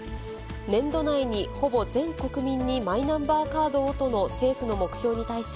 年度内にほぼ全国民にマイナンバーカードをとの政府の目標に対し、